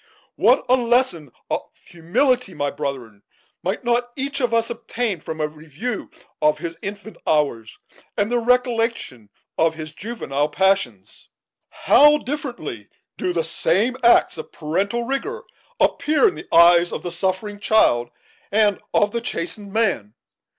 "What a lesson of humility, my brethren, might not each of us obtain from a review of his infant hours, and the recollection of his juvenile passions! How differently do the same acts of parental rigor appear in the eyes of the suffering child and of the chastened man!